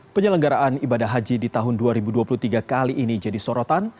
penyelenggaraan ibadah haji di tahun dua ribu dua puluh tiga kali ini jadi sorotan